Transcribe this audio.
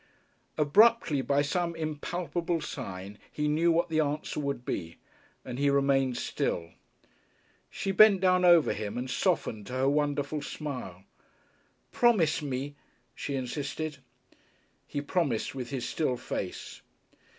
Abruptly, by some impalpable sign, he knew what the answer would be, and he remained still. She bent down over him and softened to her wonderful smile. "Promise me," she insisted. He promised with his still face.